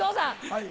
はい。